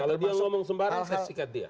kalau dia ngomong sembarang saya sikat dia